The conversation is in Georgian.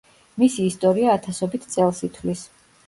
მისი ისტორია ათასობით წელს ითვლის.